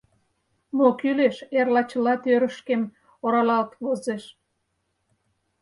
Мо кӱлеш — эрла чыла тӧрышкем оралалт возеш.